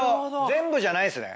全部じゃないんですね